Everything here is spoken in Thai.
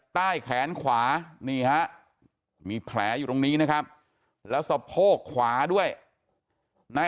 ใต้แขนขวานี่ฮะมีแผลอยู่ตรงนี้นะครับแล้วสะโพกขวาด้วยนาย